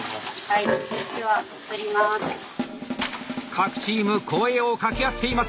各チーム声をかけ合っています。